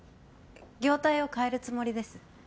業態を変えるつもりです